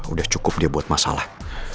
udah cukup dia buat masalah